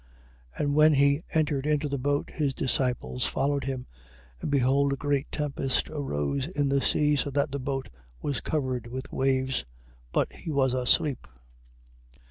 8:23. And when he entered into the boat, his disciples followed him: 8:24. And behold a great tempest arose in the sea, so that the boat was covered with waves, but he was asleep.